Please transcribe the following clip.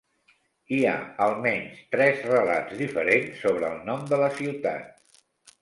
Hi ha almenys tres relats diferents sobre el nom de la ciutat.